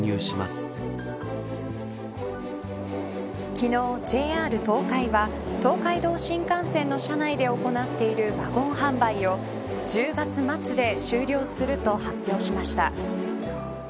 昨日、ＪＲ東海は東海道新幹線の車内で行っているワゴン販売を１０月末で終了すると発表しました。